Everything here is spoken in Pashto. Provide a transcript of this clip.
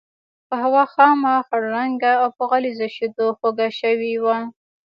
قهوه خامه، خړ رنګه او په غليظو شیدو خوږه شوې وه.